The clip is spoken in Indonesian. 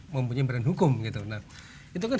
mempunyai badan hukum itu kan